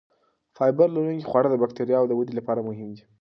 فایبر لرونکي خواړه د بکتریاوو ودې لپاره مهم دي.